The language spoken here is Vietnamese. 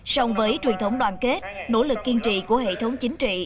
sông với truyền thống đoàn kết nỗ lực kiên trì của hệ thống chính trị